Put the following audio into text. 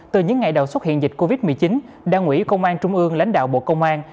từ những ngày đầu xuất hiện dịch covid một mươi chín đảng ủy công an trung ương lãnh đạo bộ công an